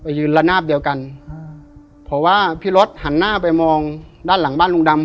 ยืนละนาบเดียวกันเพราะว่าพี่รถหันหน้าไปมองด้านหลังบ้านลุงดำ